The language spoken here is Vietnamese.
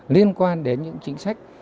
liên quan đến những chính sách